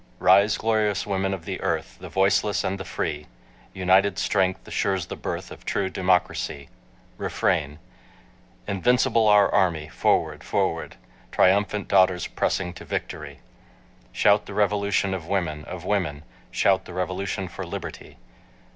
Rise, glorious women of the earth, The voiceless and the free United strength assures the birth Of true democracy. REFRAIN Invincible our army, Forward, forward, Triumphant daughters pressing To victory. Shout the revolution of women, of women, Shout the revolution For liberty.